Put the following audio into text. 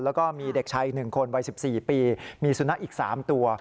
แล้วก็มีเด็กชาย๑คนวัย๑๔ปีมีสุนัขอีก๓ตัว